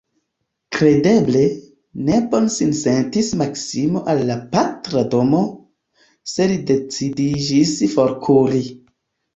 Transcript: Kredeble, ne bone sin sentis Maksimo en la patra domo, se li decidiĝis forkuri.